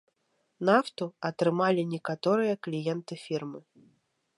Нафту атрымалі некаторыя кліенты фірмы.